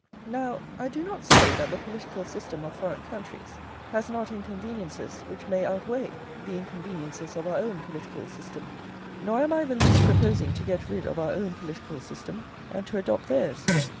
Now I do not say that the political system of foreign countries has not inconveniences which may outweigh the inconveniences of our own political system; nor am I the least proposing to get rid of our own political system and to adopt theirs.